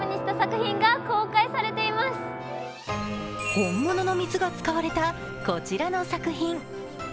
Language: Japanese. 本物の水が使われたこちらの作品。